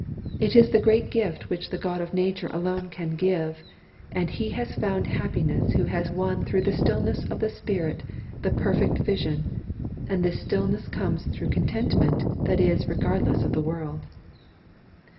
It is the great gift which the God of nature alone can give, and "he has found happiness who has won through the stillness of the spirit the Perfect Vision, and this stillness comes through contentment that is regardless of the world."